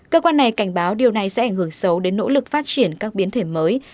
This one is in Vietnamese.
cơ quan này cảnh báo điều này sẽ ảnh hưởng xấu đến nỗ lực phát triển các biến thể mới